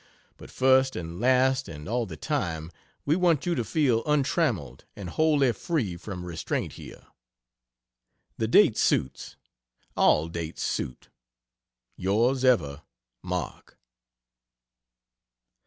But first and last and all the time, we want you to feel untrammeled and wholly free from restraint, here. The date suits all dates suit. Yrs ever MARK.